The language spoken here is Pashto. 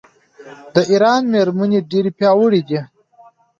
د ایران میرمنې ډیرې پیاوړې دي.